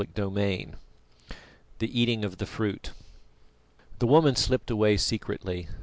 CHAPTER XIV THE EATING OF THE FRUIT The woman slipped away secretly.